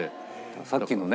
さっきのね